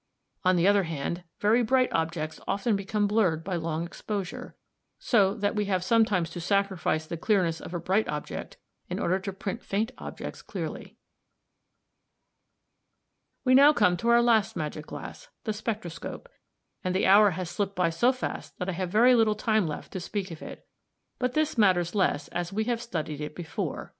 On the other hand, very bright objects often become blurred by a long exposure, so that we have sometimes to sacrifice the clearness of a bright object in order to print faint objects clearly. "We now come to our last magic glass the Spectroscope; and the hour has slipped by so fast that I have very little time left to speak of it. But this matters less as we have studied it before.